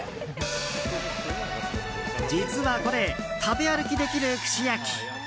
実はこれ食べ歩きできる串焼き。